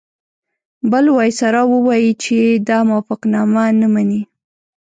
بل وایسرا ووایي چې دا موافقتنامه نه مني.